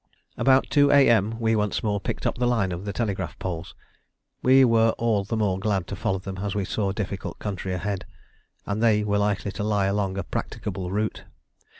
About 2 A.M. we once more picked up the line of telegraph poles. We were all the more glad to follow them as we saw difficult country ahead, and they were likely to lie along a practicable route.